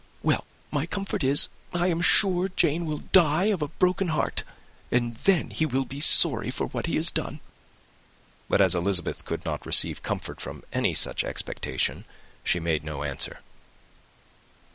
Well, my comfort is, I am sure Jane will die of a broken heart, and then he will be sorry for what he has done." But as Elizabeth could not receive comfort from any such expectation she made no answer.